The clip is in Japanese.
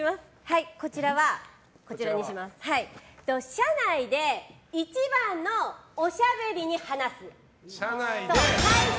社内で一番のおしゃべりに話す。